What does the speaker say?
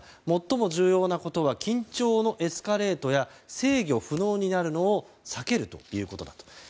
最も重要なことは緊張のエスカレートや制御不能になるのを避けるということだと。